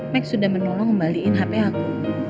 max sudah menolong ngembaliin handphone aku